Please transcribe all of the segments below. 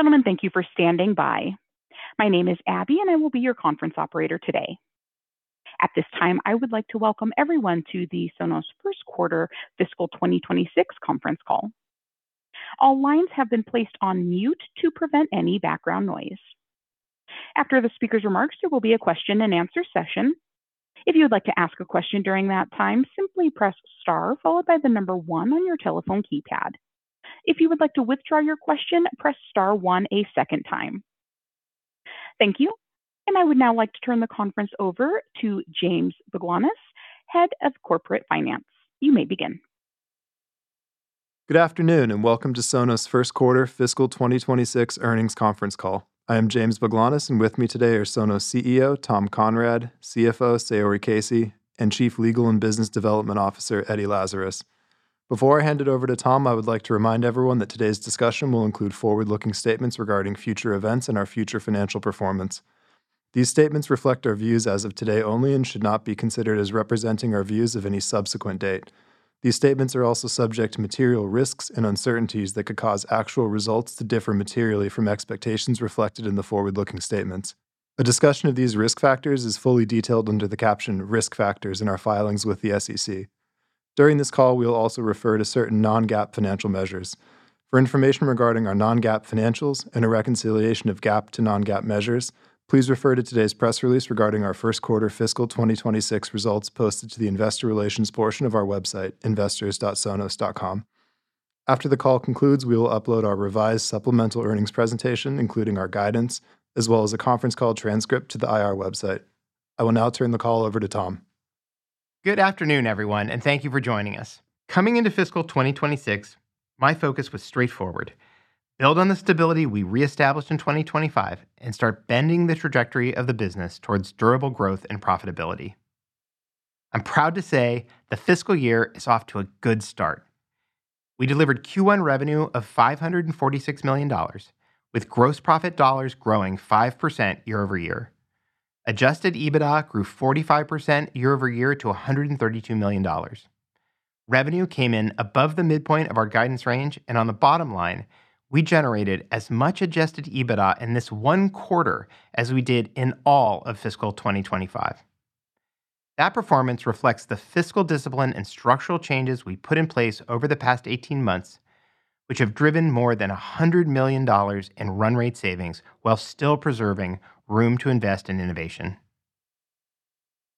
Ladies and gentlemen, thank you for standing by. My name is Abby, and I will be your conference operator today. At this time, I would like to welcome everyone to the Sonos first quarter fiscal 2026 conference call. All lines have been placed on mute to prevent any background noise. After the speaker's remarks, there will be a question and answer session. If you would like to ask a question during that time, simply press star followed by the number one on your telephone keypad. If you would like to withdraw your question, press star one a second time. Thank you, and I would now like to turn the conference over to James Baglanis, Head of Corporate Finance. You may begin. Good afternoon, and welcome to Sonos' first quarter fiscal 2026 earnings conference call. I am James Baglanis, and with me today are Sonos CEO, Tom Conrad, CFO, Saori Casey, and Chief Legal and Business Development Officer, Eddie Lazarus. Before I hand it over to Tom, I would like to remind everyone that today's discussion will include forward-looking statements regarding future events and our future financial performance. These statements reflect our views as of today only and should not be considered as representing our views of any subsequent date. These statements are also subject to material risks and uncertainties that could cause actual results to differ materially from expectations reflected in the forward-looking statements. A discussion of these risk factors is fully detailed under the caption Risk Factors in our filings with the SEC. During this call, we'll also refer to certain non-GAAP financial measures. For information regarding our non-GAAP financials and a reconciliation of GAAP to non-GAAP measures, please refer to today's press release regarding our first quarter fiscal 2026 results posted to the Investor Relations portion of our website, investors.sonos.com. After the call concludes, we will upload our revised supplemental earnings presentation, including our guidance, as well as a conference call transcript to the IR website. I will now turn the call over to Tom. Good afternoon, everyone, and thank you for joining us. Coming into fiscal 2026, my focus was straightforward: build on the stability we reestablished in 2025 and start bending the trajectory of the business towards durable growth and profitability. I'm proud to say the fiscal year is off to a good start. We delivered Q1 revenue of $546 million, with gross profit dollars growing 5% year-over-year. Adjusted EBITDA grew 45% year-over-year to $132 million. Revenue came in above the midpoint of our guidance range, and on the bottom line, we generated as much Adjusted EBITDA in this one quarter as we did in all of fiscal 2025. That performance reflects the fiscal discipline and structural changes we put in place over the past 18 months, which have driven more than $100 million in run rate savings while still preserving room to invest in innovation.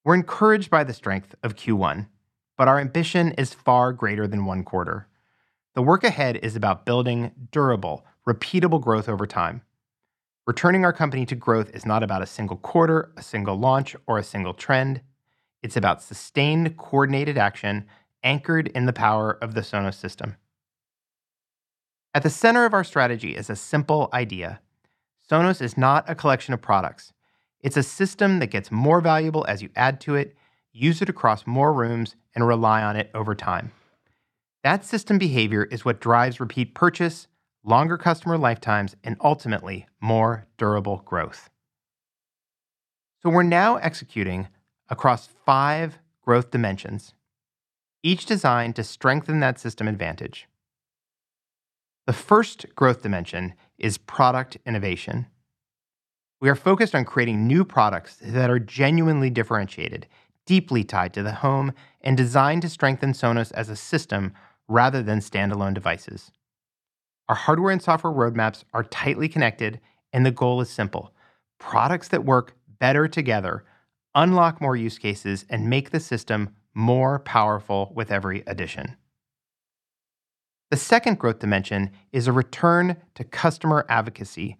We're encouraged by the strength of Q1, but our ambition is far greater than one quarter. The work ahead is about building durable, repeatable growth over time. Returning our company to growth is not about a single quarter, a single launch, or a single trend. It's about sustained, coordinated action anchored in the power of the Sonos system. At the center of our strategy is a simple idea. Sonos is not a collection of products. It's a system that gets more valuable as you add to it, use it across more rooms, and rely on it over time. That system behavior is what drives repeat purchase, longer customer lifetimes, and ultimately, more durable growth. So we're now executing across five growth dimensions, each designed to strengthen that system advantage. The first growth dimension is product innovation. We are focused on creating new products that are genuinely differentiated, deeply tied to the home, and designed to strengthen Sonos as a system rather than standalone devices. Our hardware and software roadmaps are tightly connected, and the goal is simple: products that work better together, unlock more use cases, and make the system more powerful with every addition. The second growth dimension is a return to customer advocacy,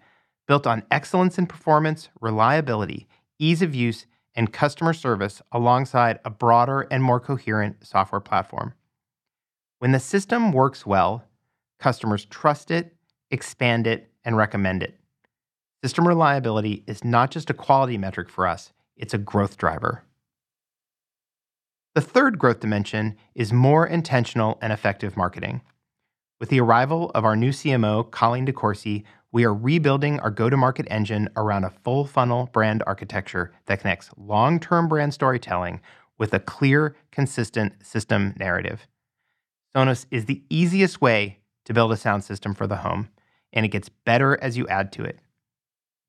built on excellence in performance, reliability, ease of use, and customer service alongside a broader and more coherent software platform. When the system works well, customers trust it, expand it, and recommend it. System reliability is not just a quality metric for us, it's a growth driver. The third growth dimension is more intentional and effective marketing. With the arrival of our new CMO, Colleen DeCourcy, we are rebuilding our go-to-market engine around a full funnel brand architecture that connects long-term brand storytelling with a clear, consistent system narrative. Sonos is the easiest way to build a sound system for the home, and it gets better as you add to it.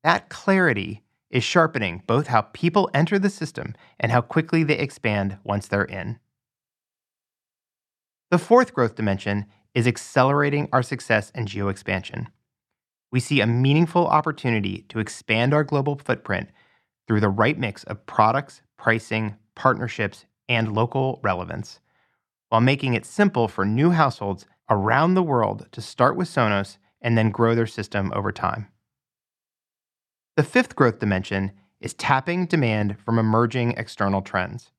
That clarity is sharpening both how people enter the system and how quickly they expand once they're in. The fourth growth dimension is accelerating our success and geo expansion. We see a meaningful opportunity to expand our global footprint through the right mix of products, pricing, partnerships, and local relevance, while making it simple for new households around the world to start with Sonos and then grow their system over time. The fifth growth dimension is tapping demand from emerging external trends.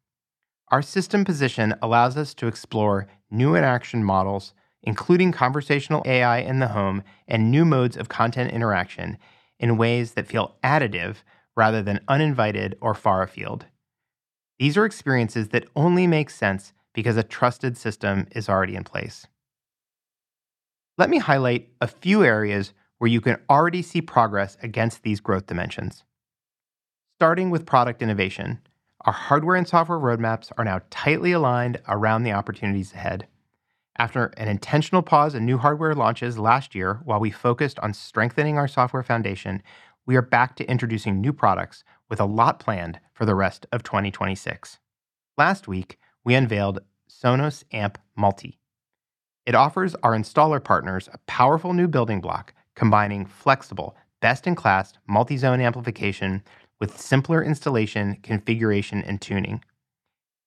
Our system position allows us to explore new interaction models, including conversational AI in the home and new modes of content interaction in ways that feel additive rather than uninvited or far afield. These are experiences that only make sense because a trusted system is already in place. Let me highlight a few areas where you can already see progress against these growth dimensions. Starting with product innovation, our hardware and software roadmaps are now tightly aligned around the opportunities ahead. After an intentional pause in new hardware launches last year, while we focused on strengthening our software foundation, we are back to introducing new products with a lot planned for the rest of 2026. Last week, we unveiled Sonos Amp Multi. It offers our installer partners a powerful new building block, combining flexible, best-in-class, multi-zone amplification with simpler installation, configuration, and tuning.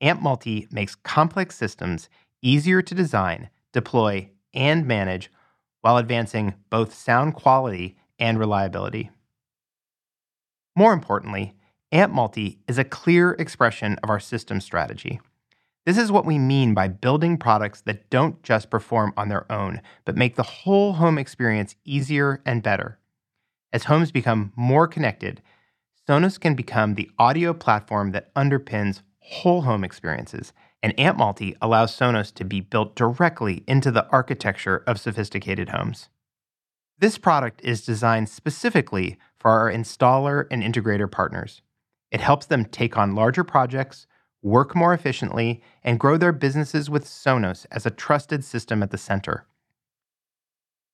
Amp Multi makes complex systems easier to design, deploy, and manage, while advancing both sound quality and reliability. More importantly, Amp Multi is a clear expression of our system strategy. This is what we mean by building products that don't just perform on their own, but make the whole home experience easier and better. As homes become more connected, Sonos can become the audio platform that underpins whole home experiences, and Amp Multi allows Sonos to be built directly into the architecture of sophisticated homes. This product is designed specifically for our installer and integrator partners. It helps them take on larger projects, work more efficiently, and grow their businesses with Sonos as a trusted system at the center.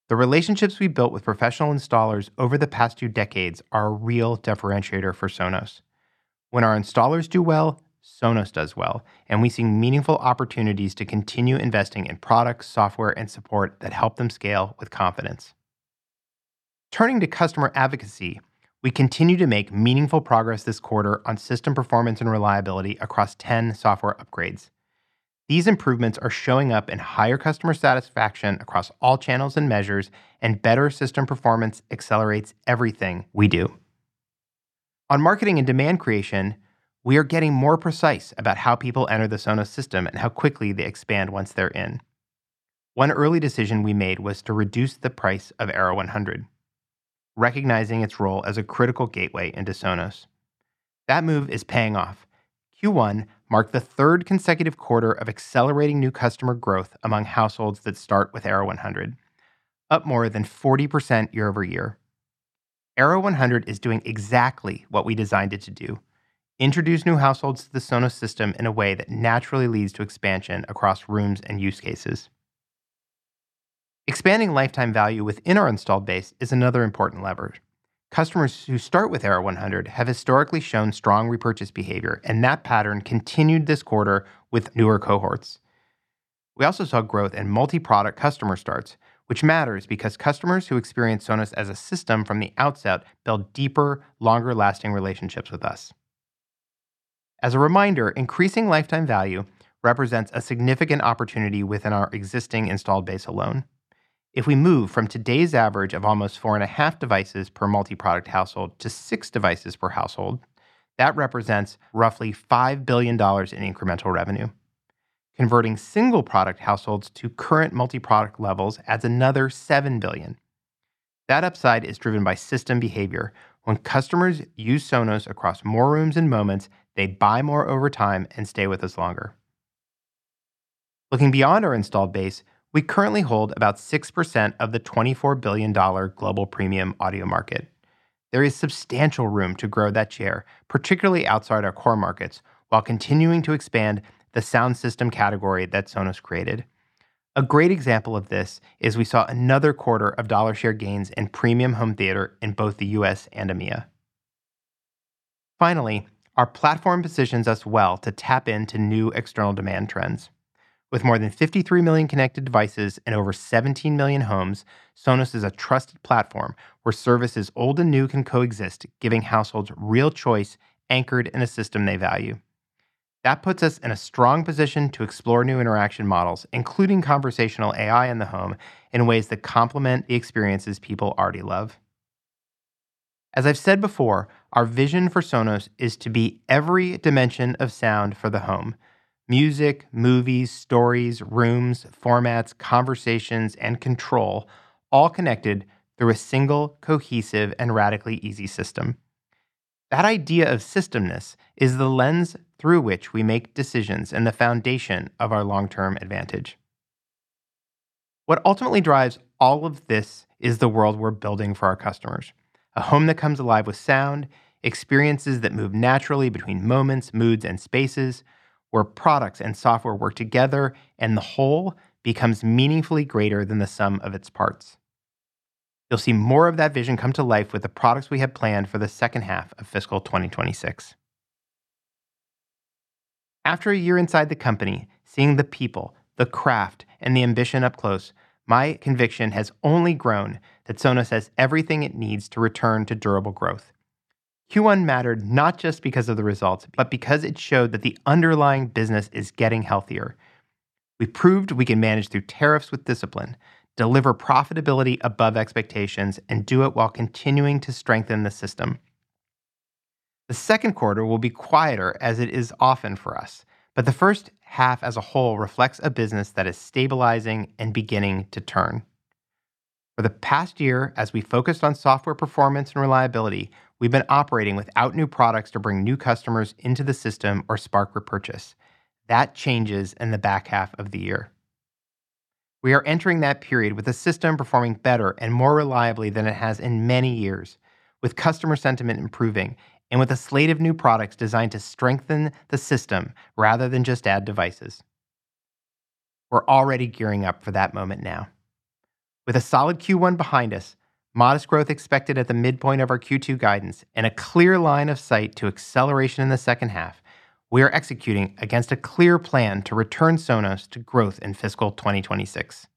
The relationships we've built with professional installers over the past two decades are a real differentiator for Sonos. When our installers do well, Sonos does well, and we see meaningful opportunities to continue investing in products, software, and support that help them scale with confidence. Turning to customer advocacy, we continue to make meaningful progress this quarter on system performance and reliability across 10 software upgrades. These improvements are showing up in higher customer satisfaction across all channels and measures, and better system performance accelerates everything we do. On marketing and demand creation, we are getting more precise about how people enter the Sonos system and how quickly they expand once they're in. One early decision we made was to reduce the price of Era 100, recognizing its role as a critical gateway into Sonos. That move is paying off. Q1 marked the third consecutive quarter of accelerating new customer growth among households that start with Era 100, up more than 40% year-over-year. Era 100 is doing exactly what we designed it to do: introduce new households to the Sonos system in a way that naturally leads to expansion across rooms and use cases. Expanding lifetime value within our installed base is another important lever. Customers who start with Era 100 have historically shown strong repurchase behavior, and that pattern continued this quarter with newer cohorts. We also saw growth in multi-product customer starts, which matters because customers who experience Sonos as a system from the outset build deeper, longer-lasting relationships with us. As a reminder, increasing lifetime value represents a significant opportunity within our existing installed base alone. If we move from today's average of almost 4.5 devices per multi-product household to 6 devices per household, that represents roughly $5 billion in incremental revenue. Converting single-product households to current multi-product levels adds another $7 billion. That upside is driven by system behavior. When customers use Sonos across more rooms and moments, they buy more over time and stay with us longer. Looking beyond our installed base, we currently hold about 6% of the $24 billion-dollar global premium audio market. There is substantial room to grow that share, particularly outside our core markets, while continuing to expand the sound system category that Sonos created. A great example of this is we saw another quarter of dollar share gains in premium home theater in both the U.S. and EMEA. Finally, our platform positions us well to tap into new external demand trends. With more than 53 million connected devices and over 17 million homes, Sonos is a trusted platform where services old and new can coexist, giving households real choice anchored in a system they value. That puts us in a strong position to explore new interaction models, including conversational AI in the home, in ways that complement the experiences people already love. As I've said before, our vision for Sonos is to be every dimension of sound for the home: music, movies, stories, rooms, formats, conversations, and control, all connected through a single, cohesive, and radically easy system. That idea of systemness is the lens through which we make decisions and the foundation of our long-term advantage. What ultimately drives all of this is the world we're building for our customers. A home that comes alive with sound, experiences that move naturally between moments, moods, and spaces, where products and software work together, and the whole becomes meaningfully greater than the sum of its parts. You'll see more of that vision come to life with the products we have planned for the second half of fiscal 2026. After a year inside the company, seeing the people, the craft, and the ambition up close, my conviction has only grown that Sonos has everything it needs to return to durable growth. Q1 mattered not just because of the results, but because it showed that the underlying business is getting healthier. We've proved we can manage through tariffs with discipline, deliver profitability above expectations, and do it while continuing to strengthen the system. The second quarter will be quieter, as it is often for us, but the first half as a whole reflects a business that is stabilizing and beginning to turn. For the past year, as we focused on software performance and reliability, we've been operating without new products to bring new customers into the system or spark repurchase. That changes in the back half of the year. We are entering that period with the system performing better and more reliably than it has in many years, with customer sentiment improving and with a slate of new products designed to strengthen the system rather than just add devices. We're already gearing up for that moment now. With a solid Q1 behind us, modest growth expected at the midpoint of our Q2 guidance, and a clear line of sight to acceleration in the second half, we are executing against a clear plan to return Sonos to growth in fiscal 2026.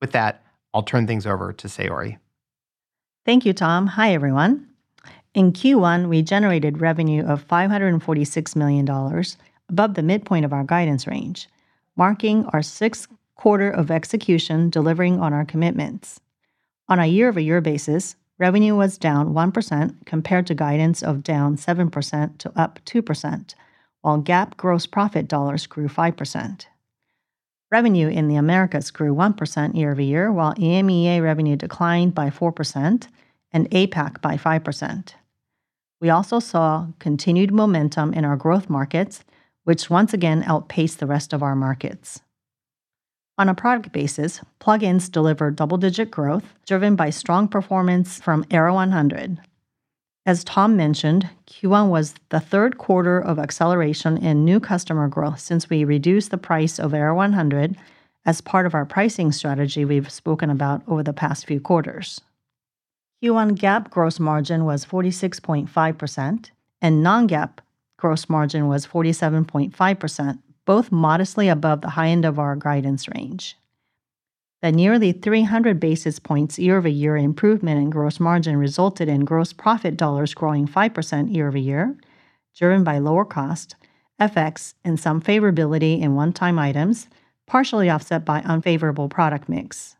With that, I'll turn things over to Saori. Thank you, Tom. Hi, everyone. In Q1, we generated revenue of $546 million, above the midpoint of our guidance range, marking our sixth quarter of execution, delivering on our commitments. On a year-over-year basis, revenue was down 1% compared to guidance of -7% to +2%, while GAAP gross profit dollars grew 5%. Revenue in the Americas grew 1% year-over-year, while EMEA revenue declined by 4% and APAC by 5%. We also saw continued momentum in our growth markets, which once again outpaced the rest of our markets. On a product basis, plug-ins delivered double-digit growth, driven by strong performance from Era 100. As Tom mentioned, Q1 was the third quarter of acceleration in new customer growth since we reduced the price of Era 100 as part of our pricing strategy we've spoken about over the past few quarters. Q1 GAAP gross margin was 46.5%, and non-GAAP gross margin was 47.5%, both modestly above the high end of our guidance range. The nearly 300 basis points year-over-year improvement in gross margin resulted in gross profit dollars growing 5% year-over-year, driven by lower cost, FX, and some favorability in one-time items, partially offset by unfavorable product mix.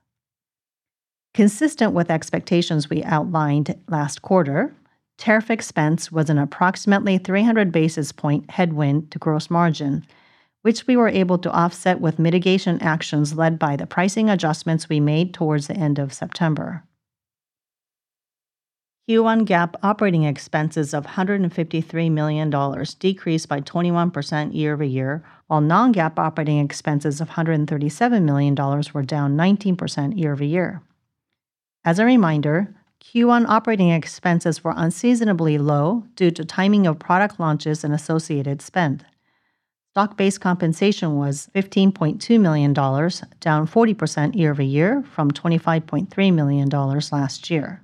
Consistent with expectations we outlined last quarter, tariff expense was an approximately 300 basis point headwind to gross margin, which we were able to offset with mitigation actions led by the pricing adjustments we made towards the end of September. Q1 GAAP operating expenses of $153 million decreased by 21% year-over-year, while non-GAAP operating expenses of $137 million were down 19% year-over-year. As a reminder, Q1 operating expenses were unseasonably low due to timing of product launches and associated spend. Stock-based compensation was $15.2 million, down 40% year-over-year from $25.3 million last year.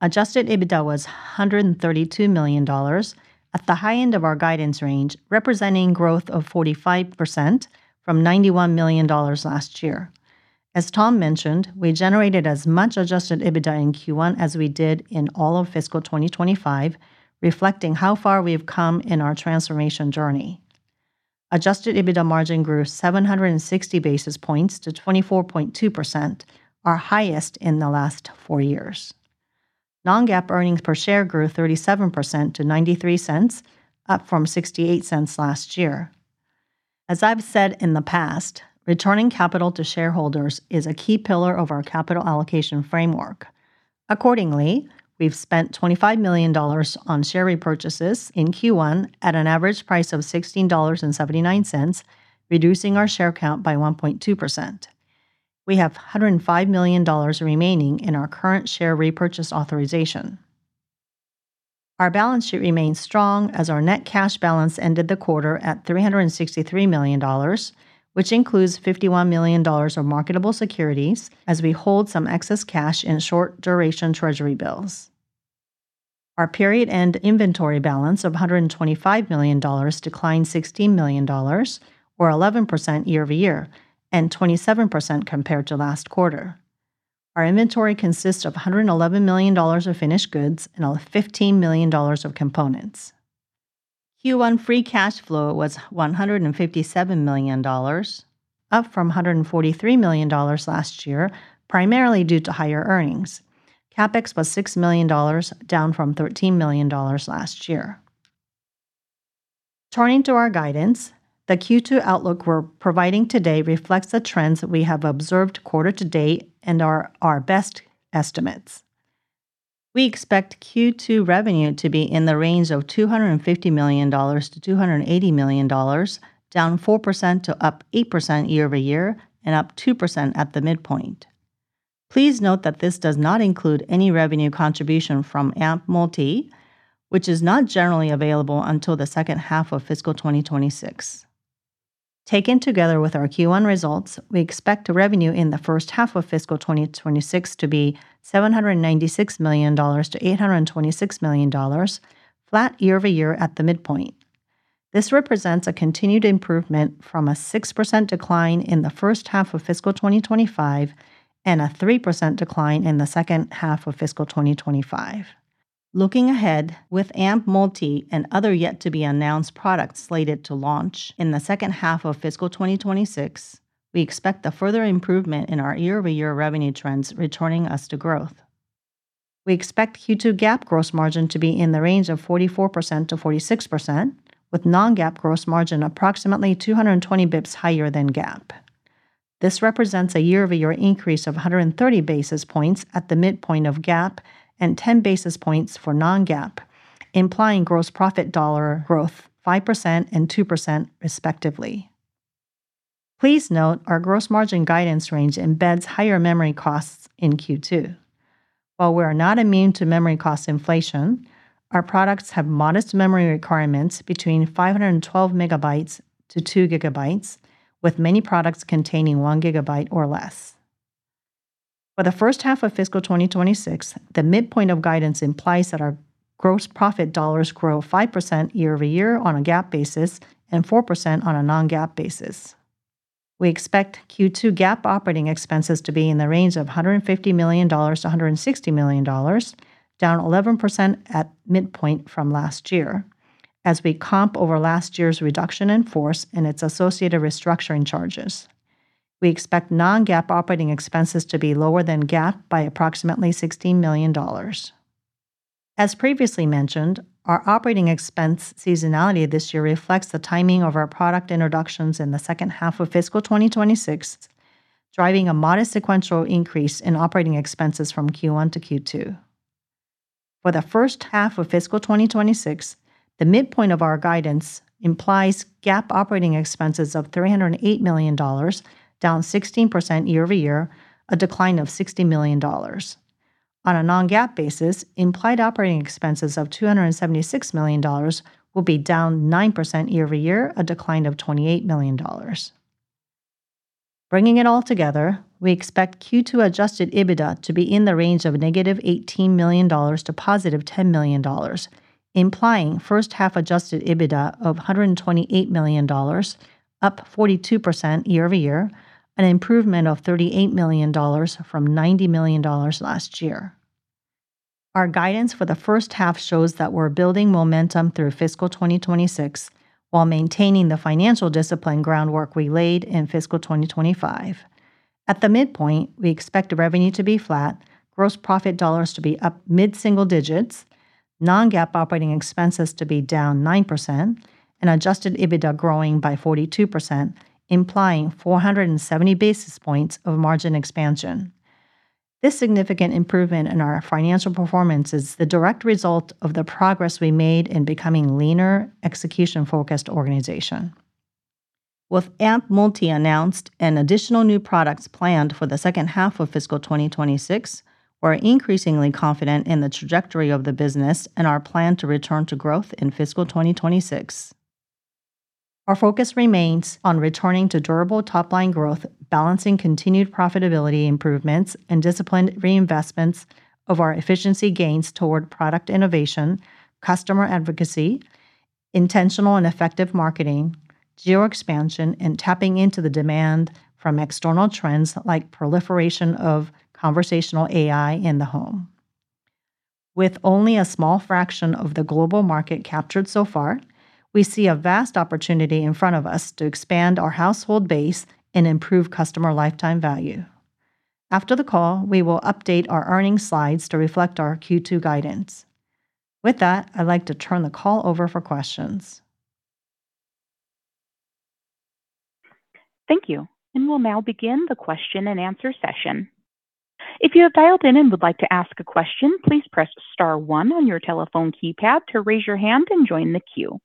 Adjusted EBITDA was $132 million at the high end of our guidance range, representing growth of 45% from $91 million last year. As Tom mentioned, we generated as much Adjusted EBITDA in Q1 as we did in all of fiscal 2025, reflecting how far we've come in our transformation journey. Adjusted EBITDA margin grew 760 basis points to 24.2%, our highest in the last 4 years. Non-GAAP earnings per share grew 37% to $0.93, up from $0.68 last year. As I've said in the past, returning capital to shareholders is a key pillar of our capital allocation framework. Accordingly, we've spent $25 million on share repurchases in Q1 at an average price of $16.79, reducing our share count by 1.2%. We have $105 million remaining in our current share repurchase authorization. Our balance sheet remains strong as our net cash balance ended the quarter at $363 million, which includes $51 million of marketable securities as we hold some excess cash in short-duration Treasury bills. Our period-end inventory balance of $125 million declined $16 million, or 11% year-over-year, and 27% compared to last quarter. Our inventory consists of $111 million of finished goods and $15 million of components. Q1 free cash flow was $157 million, up from $143 million last year, primarily due to higher earnings. CapEx was $6 million, down from $13 million last year. Turning to our guidance, the Q2 outlook we're providing today reflects the trends that we have observed quarter to date and are our best estimates. We expect Q2 revenue to be in the range of $250 million-$280 million, down 4% to up 8% year-over-year and up 2% at the midpoint. Please note that this does not include any revenue contribution from Amp Multi, which is not generally available until the second half of fiscal 2026. Taken together with our Q1 results, we expect revenue in the first half of fiscal 2026 to be $796 million-$826 million, flat year-over-year at the midpoint. This represents a continued improvement from a 6% decline in the first half of fiscal 2025 and a 3% decline in the second half of fiscal 2025. Looking ahead, with Amp Multi and other yet-to-be-announced products slated to launch in the second half of fiscal 2026, we expect a further improvement in our year-over-year revenue trends, returning us to growth. We expect Q2 GAAP gross margin to be in the range of 44%-46%, with non-GAAP gross margin approximately 220 basis points higher than GAAP. This represents a year-over-year increase of 130 basis points at the midpoint of GAAP and 10 basis points for non-GAAP, implying gross profit dollar growth 5% and 2% respectively.... Please note our gross margin guidance range embeds higher memory costs in Q2. While we're not immune to memory cost inflation, our products have modest memory requirements between 512 MB-2 GB, with many products containing 1 GB or less. For the first half of fiscal 2026, the midpoint of guidance implies that our gross profit dollars grow 5% year-over-year on a GAAP basis, and 4% on a non-GAAP basis. We expect Q2 GAAP operating expenses to be in the range of $150 million-$160 million, down 11% at midpoint from last year, as we comp over last year's reduction in force and its associated restructuring charges. We expect non-GAAP operating expenses to be lower than GAAP by approximately $16 million. As previously mentioned, our operating expense seasonality this year reflects the timing of our product introductions in the second half of fiscal 2026, driving a modest sequential increase in operating expenses from Q1 to Q2. For the first half of fiscal 2026, the midpoint of our guidance implies GAAP operating expenses of $308 million, down 16% year-over-year, a decline of $60 million. On a non-GAAP basis, implied operating expenses of $276 million will be down 9% year-over-year, a decline of $28 million. Bringing it all together, we expect Q2 Adjusted EBITDA to be in the range of -$18 million-$10 million, implying first half Adjusted EBITDA of $128 million, up 42% year-over-year, an improvement of $38 million from $90 million last year. Our guidance for the first half shows that we're building momentum through fiscal 2026, while maintaining the financial discipline groundwork we laid in fiscal 2025. At the midpoint, we expect revenue to be flat, gross profit dollars to be up mid-single digits, non-GAAP operating expenses to be down 9%, and Adjusted EBITDA growing by 42%, implying 470 basis points of margin expansion. This significant improvement in our financial performance is the direct result of the progress we made in becoming leaner, execution-focused organization. With Amp Multi announced and additional new products planned for the second half of fiscal 2026, we're increasingly confident in the trajectory of the business and our plan to return to growth in fiscal 2026. Our focus remains on returning to durable top-line growth, balancing continued profitability improvements, and disciplined reinvestments of our efficiency gains toward product innovation, customer advocacy, intentional and effective marketing, geo expansion, and tapping into the demand from external trends like proliferation of conversational AI in the home. With only a small fraction of the global market captured so far, we see a vast opportunity in front of us to expand our household base and improve customer lifetime value. After the call, we will update our earnings slides to reflect our Q2 guidance. With that, I'd like to turn the call over for questions. Thank you, and we'll now begin the question and answer session. If you have dialed in and would like to ask a question, please press star one on your telephone keypad to raise your hand and join the queue.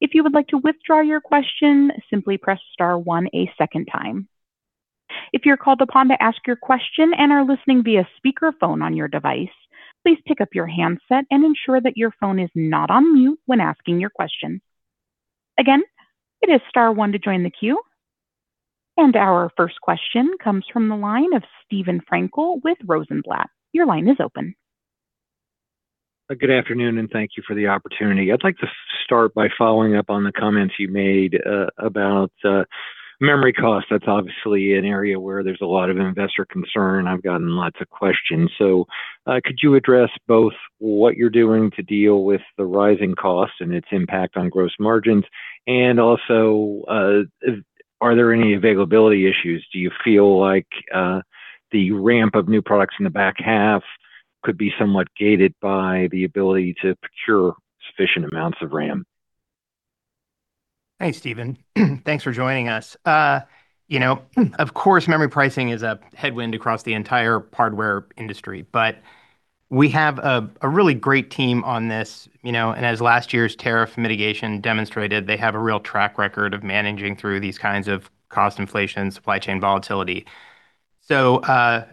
If you would like to withdraw your question, simply press star one a second time. If you're called upon to ask your question and are listening via speakerphone on your device, please pick up your handset and ensure that your phone is not on mute when asking your question. Again, it is star one to join the queue. Our first question comes from the line of Steve Frankel with Rosenblatt. Your line is open. Good afternoon, and thank you for the opportunity. I'd like to start by following up on the comments you made about memory cost. That's obviously an area where there's a lot of investor concern. I've gotten lots of questions. So, could you address both what you're doing to deal with the rising costs and its impact on gross margins? And also, are there any availability issues? Do you feel like the ramp of new products in the back half could be somewhat gated by the ability to procure sufficient amounts of RAM? Thanks, Steven. Thanks for joining us. You know, of course, memory pricing is a headwind across the entire hardware industry, but we have a really great team on this, you know, and as last year's tariff mitigation demonstrated, they have a real track record of managing through these kinds of cost inflation and supply chain volatility. So,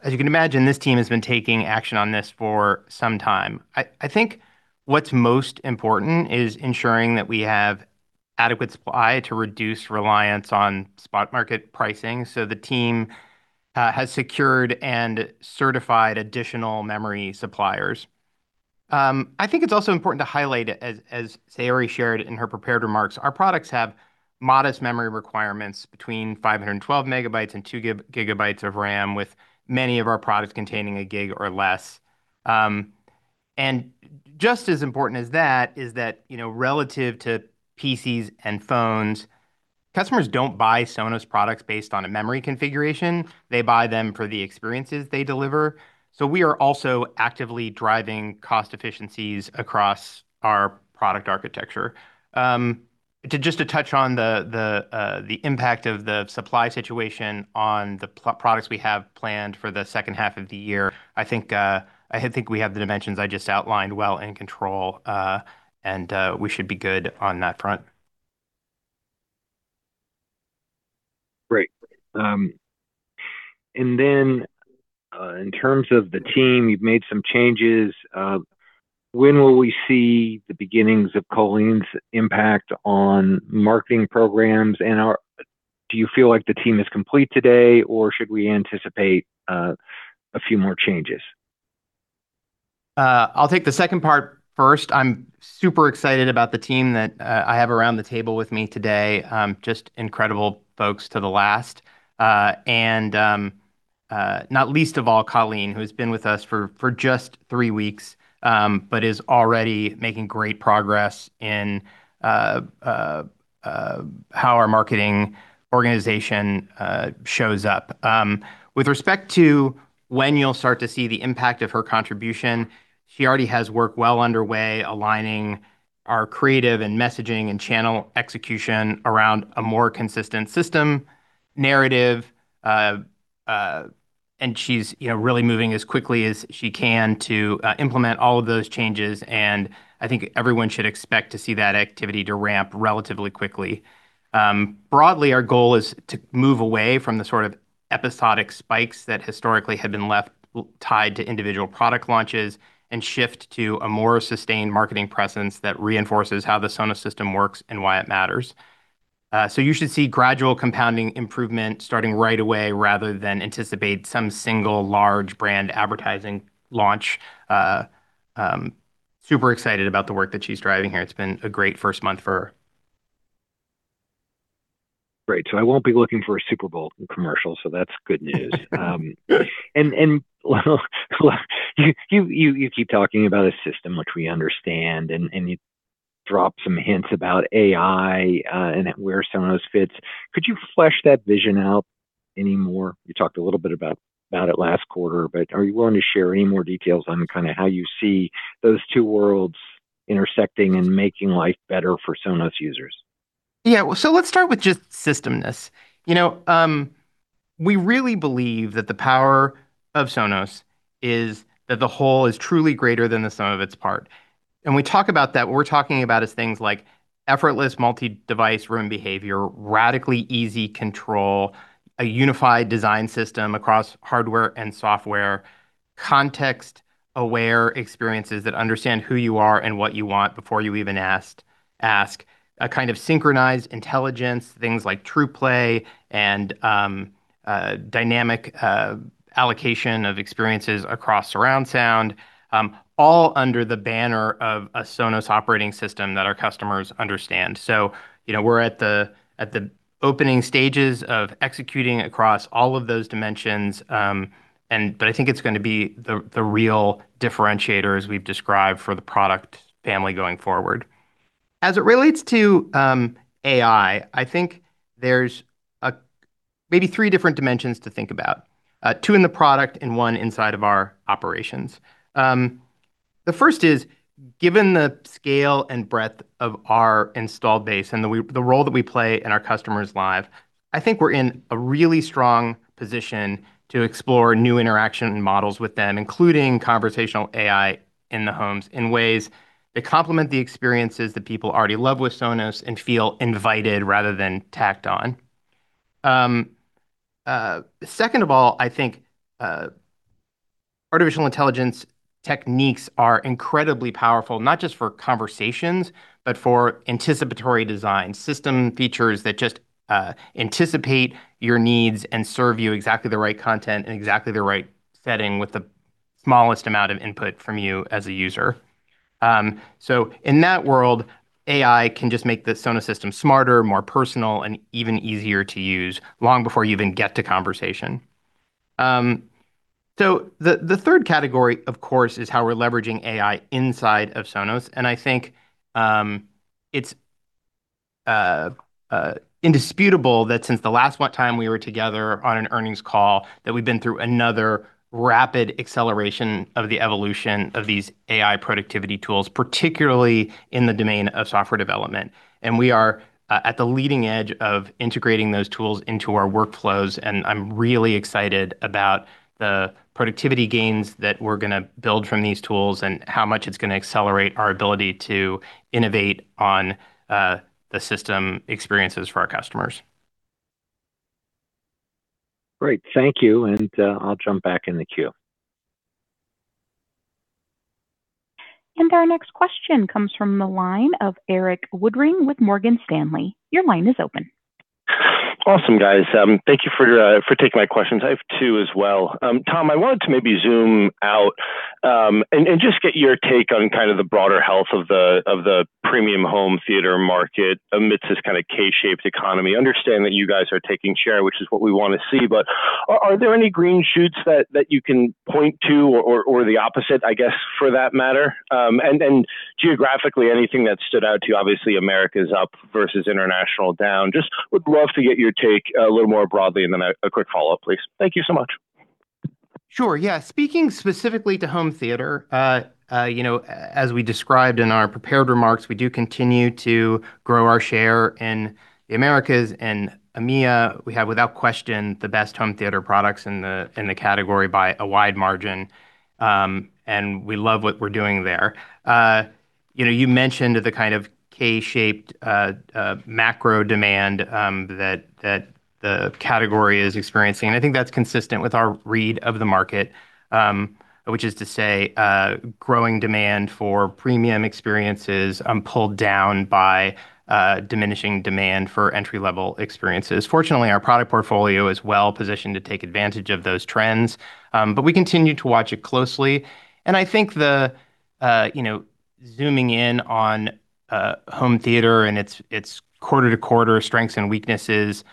as you can imagine, this team has been taking action on this for some time. I think what's most important is ensuring that we have adequate supply to reduce reliance on spot market pricing, so the team has secured and certified additional memory suppliers. I think it's also important to highlight as Saori shared in her prepared remarks, our products have modest memory requirements between 512 MB and 2 GB of RAM, with many of our products containing 1 GB or less. And just as important as that is that, you know, relative to PCs and phones, customers don't buy Sonos products based on a memory configuration. They buy them for the experiences they deliver. So we are also actively driving cost efficiencies across our product architecture. To just to touch on the impact of the supply situation on the products we have planned for the second half of the year, I think we have the dimensions I just outlined well in control, and we should be good on that front. Great. And then, in terms of the team, you've made some changes. When will we see the beginnings of Colleen's impact on marketing programs, and do you feel like the team is complete today, or should we anticipate a few more changes? I'll take the second part first. I'm super excited about the team that I have around the table with me today. Just incredible folks to the last. And not least of all, Colleen, who's been with us for, for just three weeks, but is already making great progress in how our marketing organization shows up. With respect to when you'll start to see the impact of her contribution, she already has work well underway, aligning our creative and messaging and channel execution around a more consistent system narrative. And she's, you know, really moving as quickly as she can to implement all of those changes, and I think everyone should expect to see that activity to ramp relatively quickly. Broadly, our goal is to move away from the sort of episodic spikes that historically have been left tied to individual product launches and shift to a more sustained marketing presence that reinforces how the Sonos system works and why it matters. So you should see gradual compounding improvement starting right away, rather than anticipate some single large brand advertising launch. Super excited about the work that she's driving here. It's been a great first month for her. Great, so I won't be looking for a Super Bowl commercial, so that's good news. And well, you keep talking about a system which we understand, and you dropped some hints about AI, and where some of those fits. Could you flesh that vision out any more? You talked a little bit about it last quarter, but are you willing to share any more details on kind of how you see those two worlds intersecting and making life better for Sonos users? Yeah, so let's start with just systemness. You know, we really believe that the power of Sonos is that the whole is truly greater than the sum of its part. When we talk about that, what we're talking about is things like effortless multi-device room behavior, radically easy control, a unified design system across hardware and software, context-aware experiences that understand who you are and what you want before you even ask. A kind of synchronized intelligence, things like Trueplay and dynamic allocation of experiences across surround sound, all under the banner of a Sonos operating system that our customers understand. So, you know, we're at the opening stages of executing across all of those dimensions, but I think it's gonna be the real differentiator, as we've described, for the product family going forward. As it relates to AI, I think there's maybe three different dimensions to think about, two in the product and one inside of our operations. The first is, given the scale and breadth of our installed base and the role that we play in our customers' life, I think we're in a really strong position to explore new interaction models with them, including conversational AI in the homes, in ways that complement the experiences that people already love with Sonos and feel invited rather than tacked on. Second of all, I think artificial intelligence techniques are incredibly powerful, not just for conversations, but for anticipatory design. System features that just anticipate your needs and serve you exactly the right content in exactly the right setting with the smallest amount of input from you as a user. So in that world, AI can just make the Sonos system smarter, more personal, and even easier to use, long before you even get to conversation. So the third category, of course, is how we're leveraging AI inside of Sonos, and I think it's indisputable that since the last time we were together on an earnings call, that we've been through another rapid acceleration of the evolution of these AI productivity tools, particularly in the domain of software development. And we are at the leading edge of integrating those tools into our workflows, and I'm really excited about the productivity gains that we're gonna build from these tools and how much it's gonna accelerate our ability to innovate on the system experiences for our customers. Great, thank you, and I'll jump back in the queue. Our next question comes from the line of Erik Woodring with Morgan Stanley. Your line is open. Awesome, guys. Thank you for taking my questions. I have two as well. Tom, I wanted to maybe zoom out and just get your take on kind of the broader health of the premium home theater market amidst this kind of K-shaped economy. I understand that you guys are taking share, which is what we want to see, but are there any green shoots that you can point to or the opposite, I guess, for that matter? And geographically, anything that stood out to you, obviously, Americas up versus international down. Just would love to get your take a little more broadly and then a quick follow-up, please. Thank you so much. Sure, yeah. Speaking specifically to home theater, you know, as we described in our prepared remarks, we do continue to grow our share in the Americas and EMEA. We have, without question, the best home theater products in the category by a wide margin, and we love what we're doing there. You know, you mentioned the kind of K-shaped macro demand, that the category is experiencing, and I think that's consistent with our read of the market, which is to say, growing demand for premium experiences, pulled down by, diminishing demand for entry-level experiences. Fortunately, our product portfolio is well-positioned to take advantage of those trends. But we continue to watch it closely. And I think the, you know, zooming in on, home theater and its quarter-to-quarter strengths and weaknesses,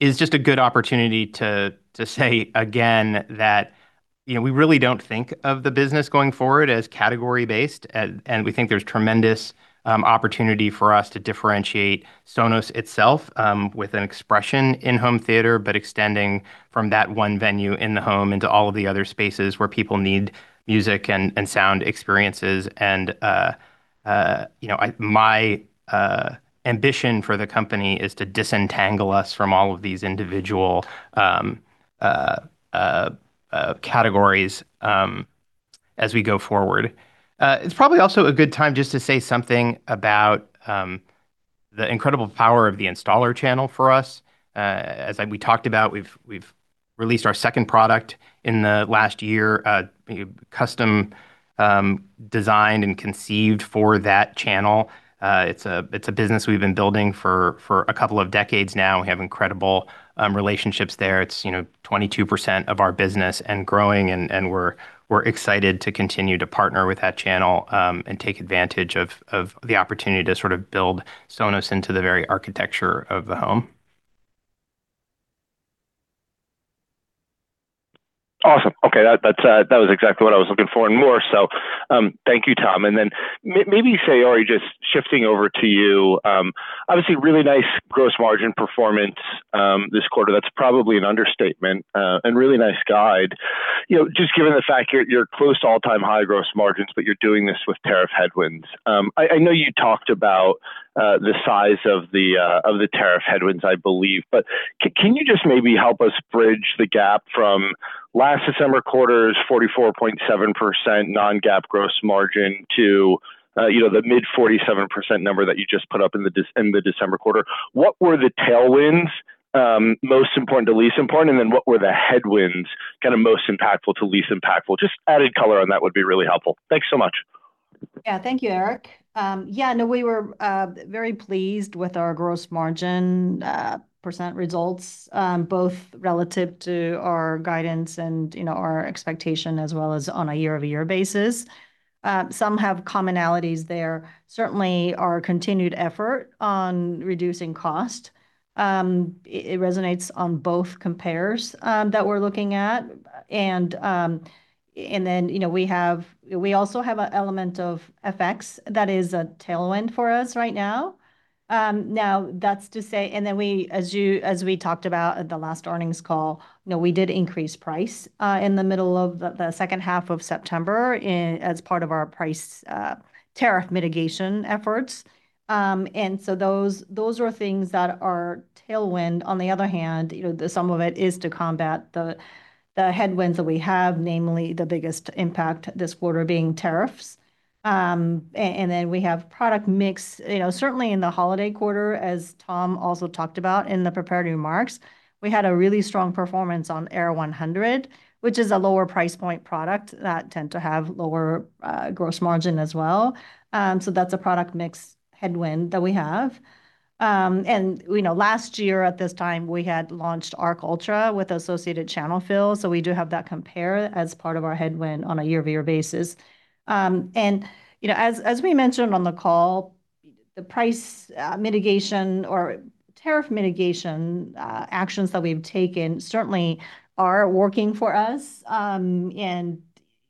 is just a good opportunity to say again that, you know, we really don't think of the business going forward as category-based. And we think there's tremendous opportunity for us to differentiate Sonos itself, with an expression in home theater, but extending from that one venue in the home into all of the other spaces where people need music and sound experiences. And, you know, my ambition for the company is to disentangle us from all of these individual categories, as we go forward. It's probably also a good time just to say something about the incredible power of the installer channel for us. As we talked about, we've released our second product in the last year, custom designed and conceived for that channel. It's a business we've been building for a couple of decades now. We have incredible relationships there. It's, you know, 22% of our business and growing, and we're excited to continue to partner with that channel and take advantage of the opportunity to sort of build Sonos into the very architecture of the home. Awesome. Okay, that, that's, that was exactly what I was looking for and more so, thank you, Tom. And then maybe Saori, just shifting over to you. Obviously, really nice gross margin performance this quarter. That's probably an understatement, and really nice guide. You know, just given the fact you're, you're close to all-time high gross margins, but you're doing this with tariff headwinds. I know you talked about the size of the tariff headwinds, I believe. But can you just maybe help us bridge the gap from last December quarter's 44.7% non-GAAP gross margin to, you know, the mid-47% number that you just put up in the December quarter? What were the tailwinds, most important to least important, and then what were the headwinds, kind of, most impactful to least impactful? Just added color on that would be really helpful. Thanks so much. Yeah. Thank you, Eric. Yeah, no, we were very pleased with our gross margin % results, both relative to our guidance and, you know, our expectation, as well as on a year-over-year basis. Some have commonalities there. Certainly, our continued effort on reducing cost, it resonates on both compares, that we're looking at. You know, we also have an element of FX that is a tailwind for us right now. Now, that's to say... As we talked about at the last earnings call, you know, we did increase price in the middle of the second half of September, as part of our price tariff mitigation efforts. Those are things that are tailwind. On the other hand, you know, some of it is to combat the headwinds that we have, namely, the biggest impact this quarter being tariffs. And then we have product mix. You know, certainly in the holiday quarter, as Tom also talked about in the prepared remarks, we had a really strong performance on Era 100, which is a lower price point product that tend to have lower, gross margin as well. So that's a product mix headwind that we have. You know, last year at this time, we had launched Arc Ultra with Associated Channel Fill, so we do have that compare as part of our headwind on a year-over-year basis. You know, as we mentioned on the call, the price mitigation or tariff mitigation actions that we've taken certainly are working for us. And,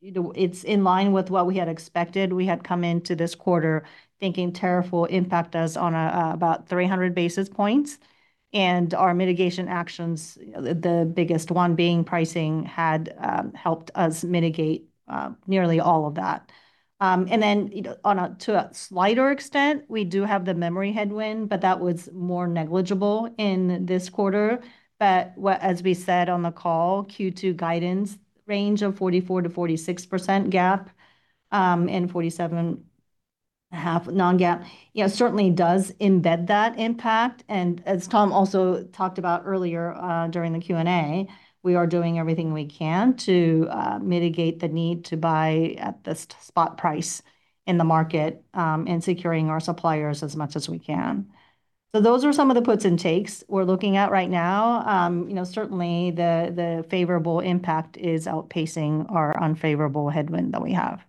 you know, it's in line with what we had expected. We had come into this quarter thinking tariff will impact us on a, about 300 basis points, and our mitigation actions, the biggest one being pricing, had helped us mitigate nearly all of that. And then, you know, to a slighter extent, we do have the memory headwind, but that was more negligible in this quarter. But as we said on the call, Q2 guidance range of 44%-46% GAAP, and 47.5 non-GAAP, you know, certainly does embed that impact. And as Tom also talked about earlier, during the Q&A, we are doing everything we can to mitigate the need to buy at the spot price in the market, and securing our suppliers as much as we can. So those are some of the puts and takes we're looking at right now. You know, certainly, the favorable impact is outpacing our unfavorable headwind that we have.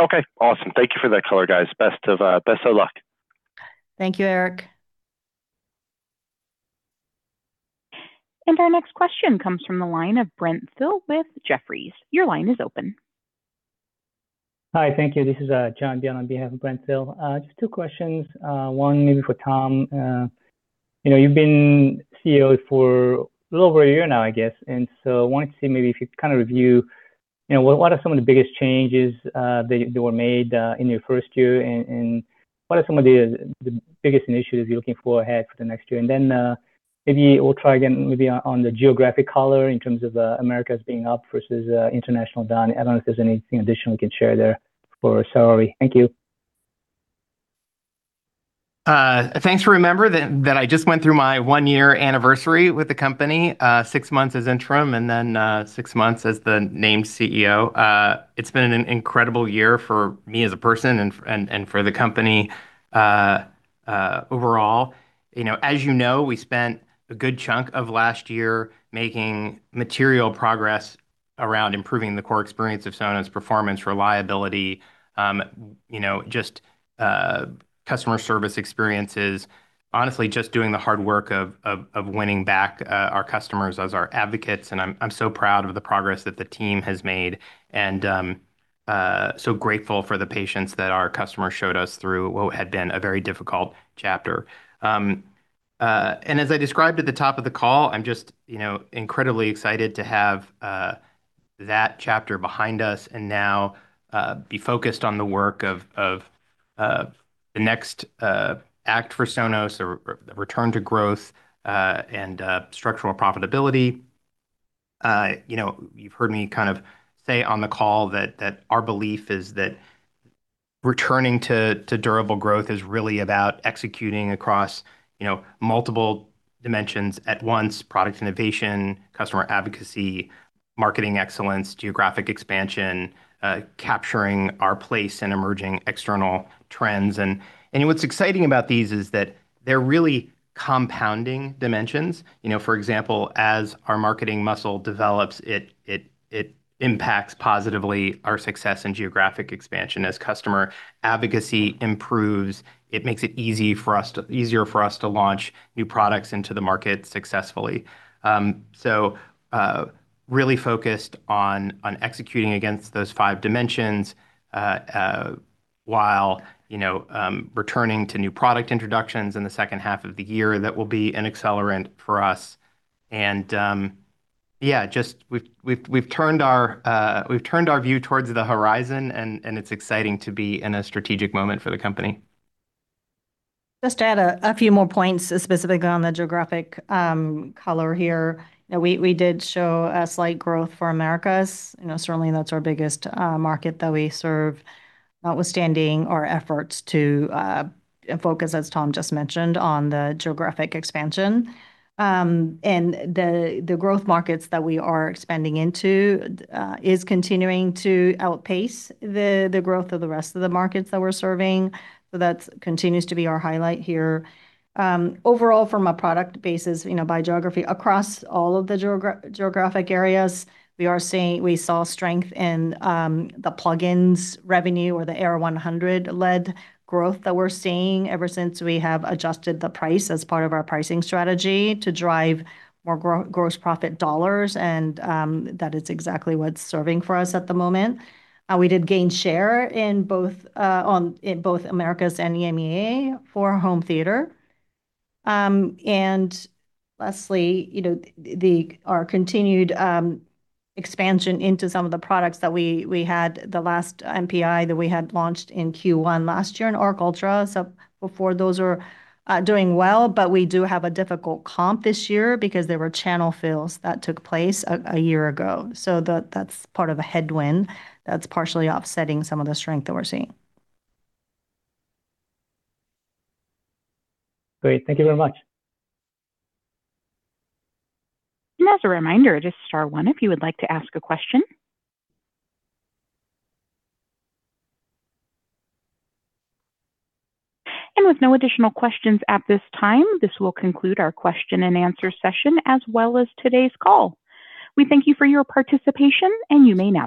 Okay, awesome. Thank you for that color, guys. Best of luck. Thank you, Eric. Our next question comes from the line of Brent Thill with Jefferies. Your line is open. Hi, thank you. This is, John on behalf of Brent Thill. Just two questions. One maybe for Tom. You know, you've been CEO for a little over a year now, I guess, and so I wanted to see maybe if you kind of review, you know, what are some of the biggest changes, that were made, in your first year, and what are some of the biggest initiatives you're looking for ahead for the next year? And then, maybe we'll try again, maybe on, on the geographic color in terms of, Americas being up versus, international down. I don't know if there's anything additional we can share there for Saori. Thank you. Thanks for remember that, that I just went through my 1-year anniversary with the company, six months as interim, and then, six months as the named CEO. It's been an incredible year for me as a person and for the company, overall. You know, as you know, we spent a good chunk of last year making material progress around improving the core experience of Sonos, performance, reliability, you know, just, customer service experiences. Honestly, just doing the hard work of winning back, our customers as our advocates, and I'm so proud of the progress that the team has made, and, so grateful for the patience that our customers showed us through what had been a very difficult chapter. As I described at the top of the call, I'm just, you know, incredibly excited to have that chapter behind us and now be focused on the work of the next act for Sonos, a return to growth, and structural profitability. You know, you've heard me kind of say on the call that our belief is that returning to durable growth is really about executing across, you know, multiple dimensions at once: product innovation, customer advocacy, marketing excellence, geographic expansion, capturing our place in emerging external trends. What's exciting about these is that they're really compounding dimensions. You know, for example, as our marketing muscle develops, it impacts positively our success in geographic expansion. As customer advocacy improves, it makes it easier for us to launch new products into the market successfully. So, really focused on executing against those five dimensions, while, you know, returning to new product introductions in the second half of the year, that will be an accelerant for us. We've turned our view towards the horizon, and it's exciting to be in a strategic moment for the company. Just to add a few more points, specifically on the geographic color here. You know, we did show a slight growth for Americas. You know, certainly, that's our biggest market that we serve, notwithstanding our efforts to focus, as Tom just mentioned, on the geographic expansion. And the growth markets that we are expanding into is continuing to outpace the growth of the rest of the markets that we're serving, so that continues to be our highlight here. Overall, from a product basis, you know, by geography, across all of the geographic areas, we saw strength in the plug-ins revenue or the Era 100 led growth that we're seeing ever since we have adjusted the price as part of our pricing strategy to drive more gross profit dollars, and that is exactly what's serving for us at the moment. We did gain share in both Americas and EMEA for home theater. And lastly, you know, our continued expansion into some of the products that we had the last NPI that we had launched in Q1 last year and Arc Ultra. So those are doing well, but we do have a difficult comp this year because there were channel fills that took place a year ago. That, that's part of a headwind that's partially offsetting some of the strength that we're seeing. Great. Thank you very much. As a reminder, just star one if you would like to ask a question. With no additional questions at this time, this will conclude our question-and-answer session, as well as today's call. We thank you for your participation, and you may now disconnect.